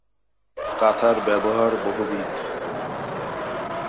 কাঁথার ব্যবহার বহুবিধ।